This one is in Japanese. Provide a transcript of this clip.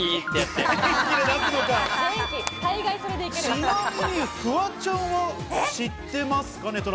ちなみにフワちゃんは知ってますかね？